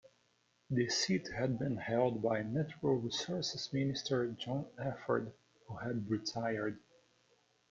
The seat had been held by Natural Resources Minister John Efford, who had retired.